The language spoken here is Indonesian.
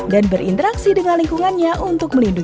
dan berinteraksi dengan lingkungan